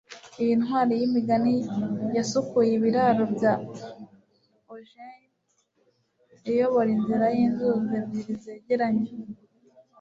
Iyi ntwari yimigani yasukuye ibiraro bya Augean iyobora inzira yinzuzi ebyiri zegeranye